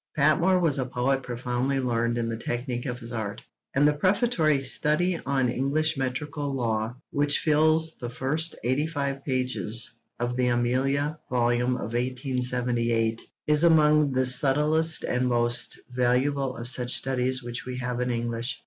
Patmore was a poet profoundly learned in the technique of his art, and the Prefatory Study on English Metrical Law, which fills the first eighty five pages of the Amelia volume of 1878, is among the subtlest and most valuable of such studies which we have in English.